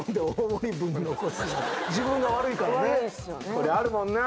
これあるもんな。